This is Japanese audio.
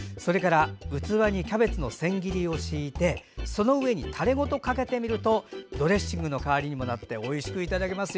器にキャベツの千切りを敷いてその上にタレごとかけるとドレッシング代わりとなっておいしくいただけます。